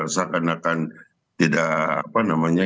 seakan akan tidak apa namanya